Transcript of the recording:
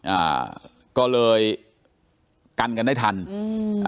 อ่าก็เลยกันกันได้ทันอืมอ่า